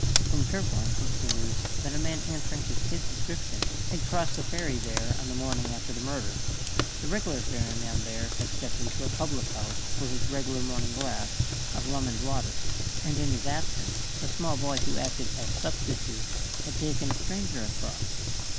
From Torpoint came news that a man answering to his description had crossed the ferry there on the morning after the murder. The regular ferryman there had stepped into a public house for his regular morning glass of rum and water; and in his absence the small boy who acted as substitute had taken a stranger across.